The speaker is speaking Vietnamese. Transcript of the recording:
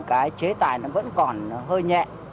cái chế tài nó vẫn còn hơi nhẹ